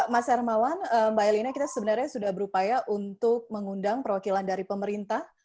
mas hermawan mbak elina kita sebenarnya sudah berupaya untuk mengundang perwakilan dari pemerintah